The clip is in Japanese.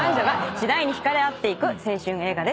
次第に引かれ合っていく青春映画です。